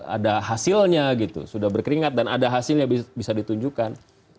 ada hasilnya gitu sudah berkeringat dan ada hasilnya bisa ditunjukkan